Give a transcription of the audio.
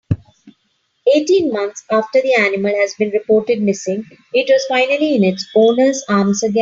Eighteen months after the animal has been reported missing it was finally in its owner's arms again.